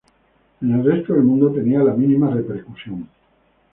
En el resto del mundo tenía la mínima repercusión.